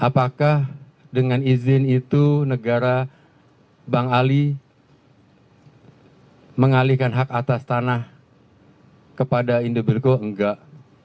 apakah dengan izin itu negara bang ali mengalihkan hak atas tanah kepada indobilco enggak